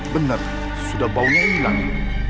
benar sudah baunya hilang